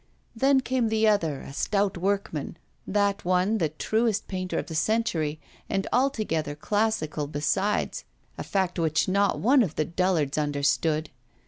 Then came the other, a stout workman that one, the truest painter of the century, and altogether classical besides, a fact which not one of the dullards understood.